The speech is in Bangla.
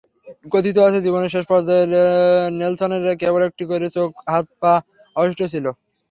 কথিত আছে, জীবনের শেষ পর্যায়ে নেলসনের কেবল একটি করে চোখ, হাত, পা অবশিষ্ট ছিল।